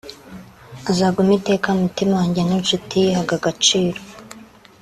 Azaguma iteka mu mutima wanjye nk’inshuti yihaga agaciro